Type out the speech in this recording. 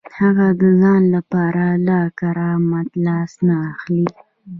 هغه د ځان لپاره له کرامت لاس نه اخلي.